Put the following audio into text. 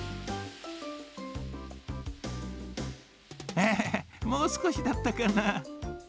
エヘヘもうすこしだったかな。